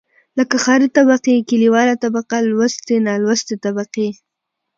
لکه ښاري طبقې، کليواله طبقه لوستې، نالوستې طبقې.